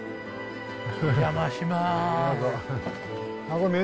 お邪魔します。